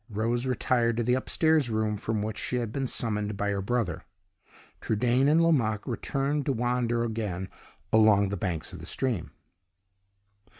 Rose retired to the upstairs room from which she had been summoned by her brother. Trudaine and Lomaque returned to wander again along the banks of the stream.